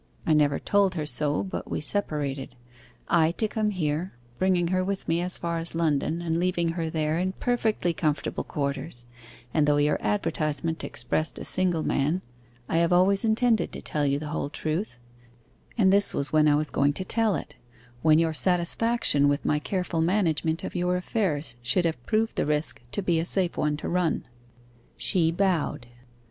I never told her so, but we separated; I to come here, bringing her with me as far as London and leaving her there in perfectly comfortable quarters; and though your advertisement expressed a single man, I have always intended to tell you the whole truth; and this was when I was going to tell it, when your satisfaction with my careful management of your affairs should have proved the risk to be a safe one to run.' She bowed.